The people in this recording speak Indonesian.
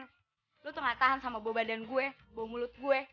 kamu tidak tahan dengan badan dan mulut aku